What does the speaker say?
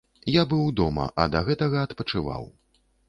Я быў дома, а да гэтага адпачываў.